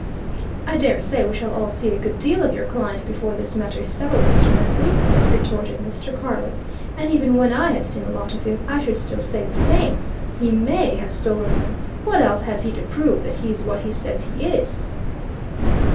"I dare say we shall all see a good deal of your client before this matter is settled, Mr. Methley," retorted Mr. Carless. "And even when I have seen a lot of him, I should still say the same he may have stolen them! What else has he to prove that he's what he says he is?"